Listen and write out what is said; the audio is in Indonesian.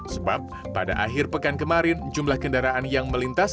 sebab pada akhir pekan kemarin jumlah kendaraan yang melintas